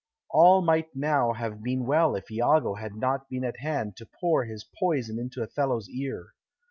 All might now have been well if Iago had not been at hand to pour his poison into Othello's ear.